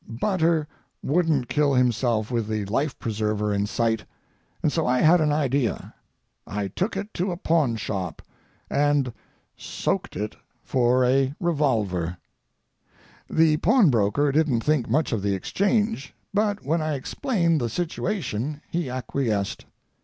Butter wouldn't kill himself with the life preserver in sight, and so I had an idea. I took it to a pawnshop, and [soaked] it for a revolver: The pawnbroker didn't think much of the exchange, but when I explained the situation he acquiesced.